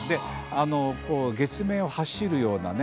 月面を走るようなね探査車。